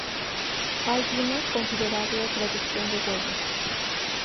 Hay una considerable producción de huevo.